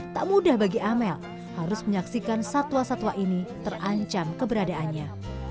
tak mudah bagi amel harus menyaksikan satwa satwa ini terancam keberadaannya